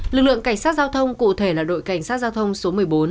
lực lượng cảnh sát giao thông cụ thể là đội cảnh sát giao thông số một mươi bốn